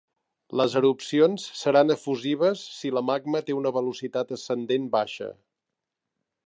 Les erupcions seran efusives si la magma té una velocitat ascendent baixa.